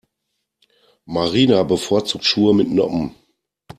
Marina bevorzugt Schuhe mit Noppen.